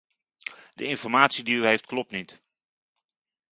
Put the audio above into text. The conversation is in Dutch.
De informatie die u heeft klopt niet.